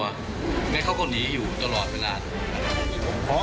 อย่างนั้นเขาก็หนีอยู่ตลอดเวลานะครับ